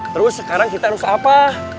terus sekarang kita harus apa